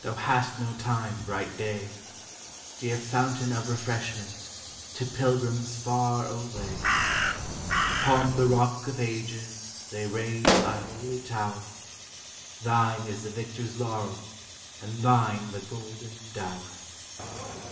Thou hast no time, bright day I Dear fountain of refreshment To pilgrims far away ! Upon the Rock of Ages They raise thy holy tower; Thine is the victor's laurel, And thine the golden dower!